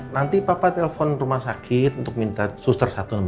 nanti papa telpon rumah sakit untuk minta suster satu nemenin aku